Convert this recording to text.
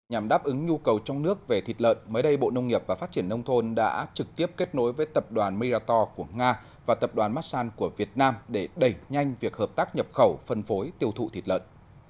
nhằm đáp ứng nhu cầu trong nước về thịt lợn mới đây bộ nông nghiệp và phát triển nông thôn đã trực tiếp kết nối với tập đoàn mirator của nga và tập đoàn massan của việt nam để đẩy nhanh việc hợp tác nhập khẩu phân phối tiêu thụ thịt lợn